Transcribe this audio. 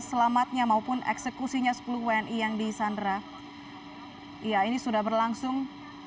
selamatnya maupun eksekusinya sepuluh wni yang di sandra oh iya ini sudah berlangsung